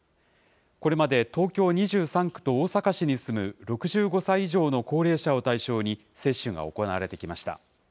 これまで、東京２３区と大阪市に住む６５歳以上の高齢者を対象に接種が行われてきました。